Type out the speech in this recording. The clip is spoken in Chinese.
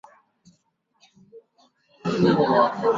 这种蛋白质在人类抗病毒的先天免疫中扮演着重要角色。